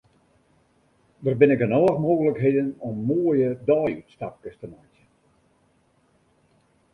Der binne genôch mooglikheden om moaie deiútstapkes te meitsjen.